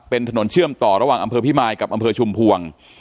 เป็นถนนเชื่อมต่อระหว่างอำเภอพิมายกับอำเภอชุมพวง